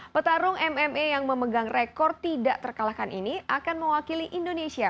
petarung mma yang memegang rekor tidak terkalahkan ini akan mewakili indonesia